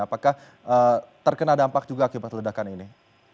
apakah terkena dampak juga akibat ledakan ini